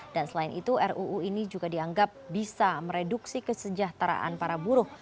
dan selain itu ruu ini juga dianggap bisa mereduksi kesejahteraan para buruh